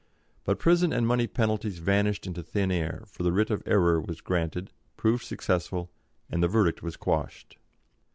But prison and money penalties vanished into thin air, for the writ of error was granted, proved successful, and the verdict was quashed.